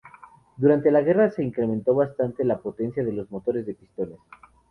Durante la guerra se incrementó bastante la potencia de los motores de pistones.